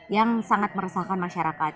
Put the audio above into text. yang sangat meresalkan masyarakat